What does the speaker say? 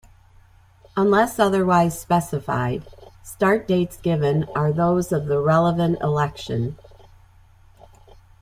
Unless otherwise specified, start dates given are those of the relevant election.